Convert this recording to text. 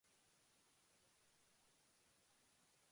He was an economist and they had three children.